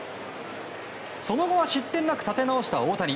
その後は失点なく立て直した大谷。